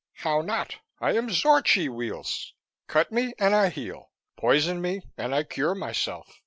"How not? I am Zorchi, Weels. Cut me and I heal; poison me and I cure myself."